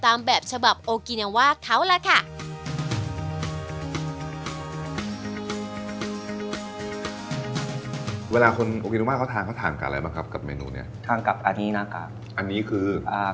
อันนี้เป็นพริกแดงนะคะ